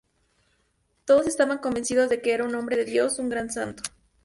Todos estaban convencidos de que era un hombre de Dios, un gran santo.